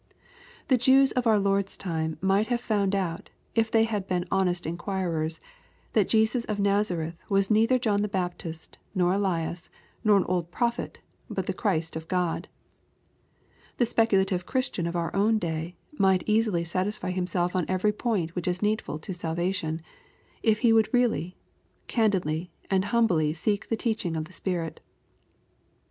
The Jews of our Lord's time might have found out, if they had been honest inquirers, that Jesus of Nazareth was neither John the Baptist, nor Ellas, nor an old prophet, but the Christ of Grod. The "^speculative Christian of our own day, might easily satisfy himself on every point which is needful to salvation, if he would really, candidly, and humbly seek the teaching of the Spirit.